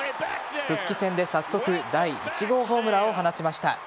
復帰戦で早速第１号ホームランを放ちました。